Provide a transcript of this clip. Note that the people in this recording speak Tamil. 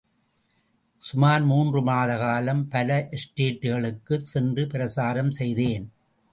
சுமார் மூன்று மாத காலம் பல எஸ்டேட்டுகளுக்குச் சென்று பிரசாரம் செய்தேன்.